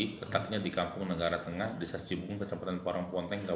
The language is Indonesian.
letaknya di kampung negara tengah di sasjibung di kampung parangponteng